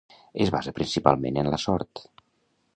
Es basa principalment en la sort.